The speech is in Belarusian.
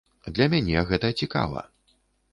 Для мяне гэта цікава.